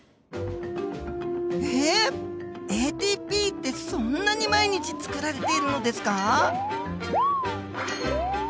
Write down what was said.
ＡＴＰってそんなに毎日つくられているのですか？